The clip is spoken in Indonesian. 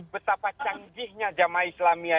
betapa canggihnya jama islamnya